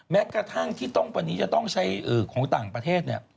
แม้กระทั่งที่ต้องวันนี้จะต้องใช้ของต่างประเทศเนี่ย